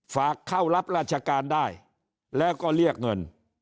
ฝากเข้ารับราชการได้แล้วก็เรียกเงิน